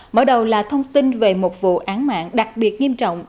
mở đầu là thông tin về một vụ án mạng đặc biệt nghiêm trọng